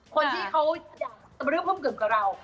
คนที่เขาอยากจะบริกรุ้มพร่อมเกิดกับเรา